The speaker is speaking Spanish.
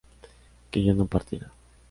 ¿que yo no partiera?